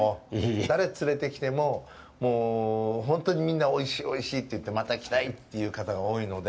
誰連れてきても、本当にみんなおいしい、おいしいって言ってまた来たいという方が多いので。